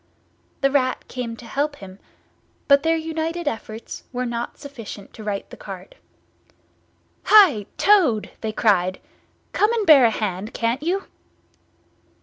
The Rat came to help him, but their united efforts were not sufficient to right the cart. "Hi! Toad!" they cried. "Come and bear a hand, can't you!"